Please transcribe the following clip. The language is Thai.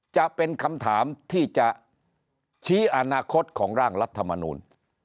จะเป็นคำถามที่จะชี้อนาคตของร่างรัฐมนูล